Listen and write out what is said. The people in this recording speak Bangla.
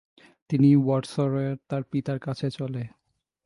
তিনি ওয়ার্সয় তার পিতার কাছে চলে